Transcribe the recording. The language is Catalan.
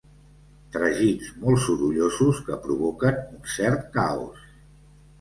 Tragins molt sorollosos que provoquen un cert caos.